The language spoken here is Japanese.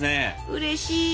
うれしい。